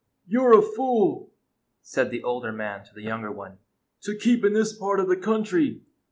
" You 're a fool," said the older man to the younger one, "to keep in this part of the country.